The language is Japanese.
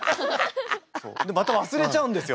また忘れちゃうんですよ。